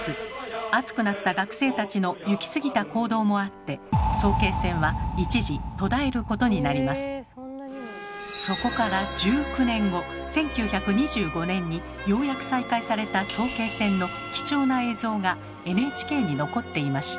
熱くなった学生たちの行きすぎた行動もあってそこから１９年後１９２５年にようやく再開された早慶戦の貴重な映像がＮＨＫに残っていました。